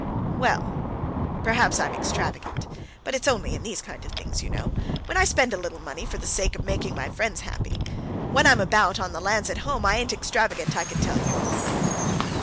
"Well; perhaps I'm extravagant. But it's only in these kind of things you know, when I spend a little money for the sake of making my friends happy. When I'm about, on the lands at home, I ain't extravagant, I can tell you."